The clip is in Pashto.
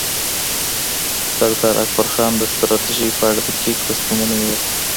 سردار اکبرخان د ستراتیژۍ په اړه دقیق تصمیمونه نیول.